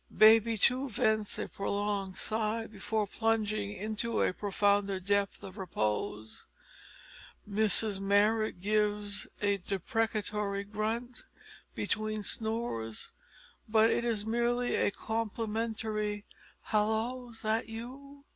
Baby, too, vents a prolonged sigh before plunging into a profounder depth of repose. Mrs Marrot gives a deprecatory grunt between snores, but it is merely a complimentary "Hallo! 's that you?"